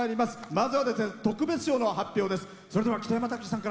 まずは特別賞の発表です。